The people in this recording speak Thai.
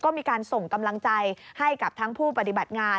ก็มีการส่งกำลังใจให้กับทั้งผู้ปฏิบัติงาน